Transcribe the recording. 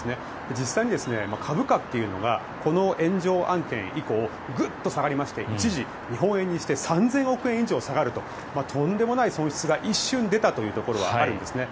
実際に株価というのがこの炎上案件以降グッと下がりまして一時、日本円にして３０００億円以上下がるととんでもない損失が一瞬出たというところはあるんです。